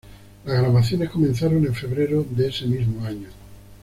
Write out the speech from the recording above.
Las grabaciones comenzaron en febrero de ese mismo año.